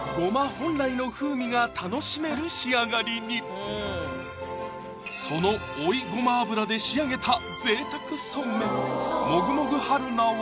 本来の風味が楽しめる仕上がりにその追いごま油で仕上げたぜいたくそうめんもぐもぐ春菜は？